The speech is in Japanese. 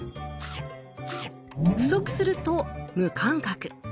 不足すると「無感覚」。